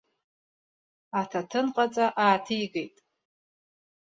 Аҭаҭынҟаҵа ааҭигеит.